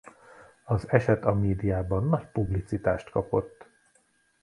Az eset a médiában nagy publicitást kapott.